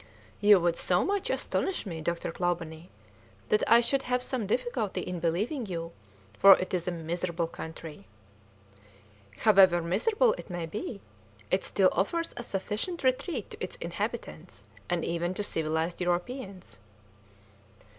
"You would so much astonish me, Mr. Clawbonny, that I should have some difficulty in believing you, for it is a miserable country." "However miserable it may be, it still offers a sufficient retreat to its inhabitants, and even to civilised Europeans."